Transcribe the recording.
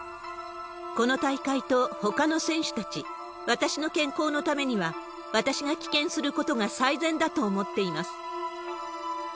この大会とほかの選手たち、私の健康のためには、私が棄権することが最善だと思っています。